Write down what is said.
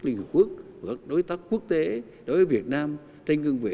liên hợp quốc và các đối tác quốc tế đối với việt nam trên cương vị